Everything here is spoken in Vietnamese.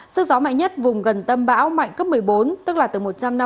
sức gió mạnh nhất vùng gần tâm bão mạnh cấp một mươi bốn tức là từ một trăm năm mươi một trăm sáu mươi